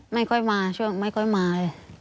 ไม่ค่อยมาช่วงไม่ค่อยมาเลย